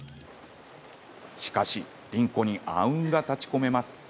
しかし凛子に暗雲が立ちこめます。